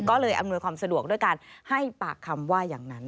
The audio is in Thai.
ก็เลยอำนวยความสะดวกด้วยการให้ปากคำว่าอย่างนั้น